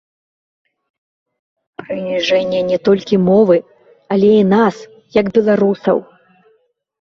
Прыніжэнне не толькі мовы, але і нас, як беларусаў!